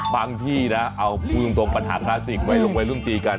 บางที่นะเอาปุรุงตรงปัญหาคลาสิกลงไปร่วมจีกัน